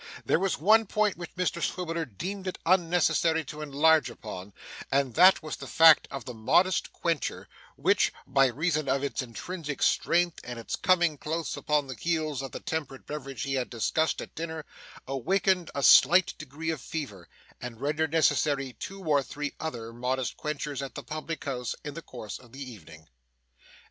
There was one point which Mr Swiveller deemed it unnecessary to enlarge upon, and that was the fact of the modest quencher, which, by reason of its intrinsic strength and its coming close upon the heels of the temperate beverage he had discussed at dinner, awakened a slight degree of fever, and rendered necessary two or three other modest quenchers at the public house in the course of the evening.